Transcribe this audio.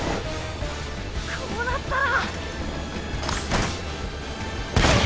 こうなったら！